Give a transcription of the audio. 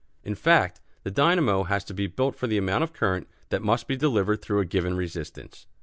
In fact, the dynamo has to be built for the amount of current that must be delivered through a given resistance.